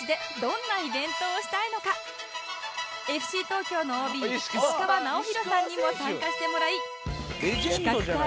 ＦＣ 東京の ＯＢ 石川直宏さんにも参加してもらい